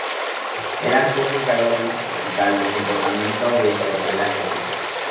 Eran peces de agua dulce tropical, de comportamiento bentopelágico.